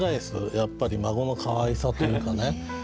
やっぱり孫のかわいさというかね。